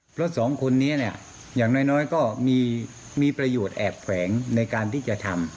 เพราะสองคนนี้เนี่ยอย่างน้อยก็มีประโยชน์แอบแขวงในการที่จะทำ